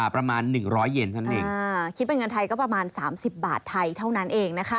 เป็นเงินไทยก็ประมาณ๓๐บาทไทยเท่านั้นเอง